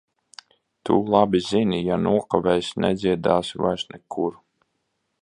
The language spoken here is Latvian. Tu labi zini - ja nokavēsi, nedziedāsi vairs nekur.